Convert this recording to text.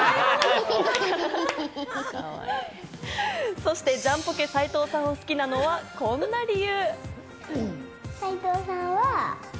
そしてジャンポケ・斉藤さんを好きなのは、こんな理由。